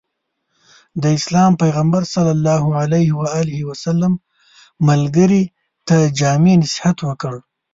د اسلام پيغمبر ص ملګري ته جامع نصيحت وکړ.